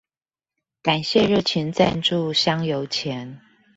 感謝熱情贊助香油錢